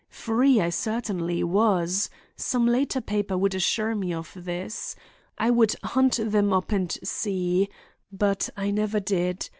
Free I certainly was. Some later paper would assure me of this. I would hunt them up and see—but I never did.